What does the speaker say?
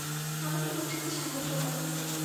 আমাকে উঠতে সাহায্য করো।